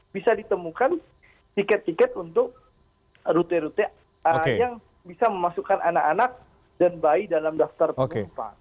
bisa ditemukan tiket tiket untuk rute rute yang bisa memasukkan anak anak dan bayi dalam daftar penumpang